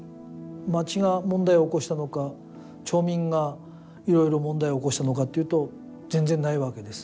町が問題を起こしたのか、町民がいろいろ問題を起こしたのかというと、全然ないわけです。